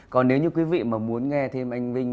còn nếu như quý vị mà muốn nghe thêm anh vinh